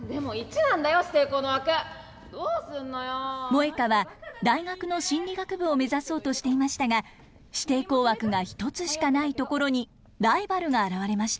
モエカは大学の心理学部を目指そうとしていましたが指定校枠が１つしかないところにライバルが現れました。